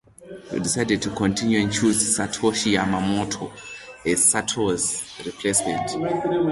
He decided to continue and chose Satoshi Yamamoto as Sato's replacement.